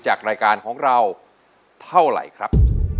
จากรายการของเราเท่าไหร่ครับ